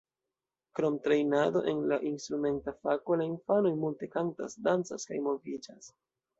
Krom trejnado en la instrumenta fako la infanoj multe kantas, dancas kaj moviĝas.